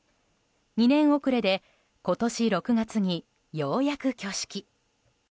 ２年遅れで今年６月にようやく挙式。